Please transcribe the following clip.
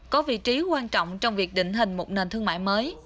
có vị trí quan trọng trong việc định hình một nền thương mại mới